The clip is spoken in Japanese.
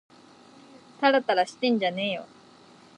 たらたらしてんじゃねぇよ